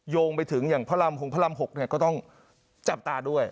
โยงไปถึงอย่างพระรามหงพระราม๖ก็ต้องจับตาด้วย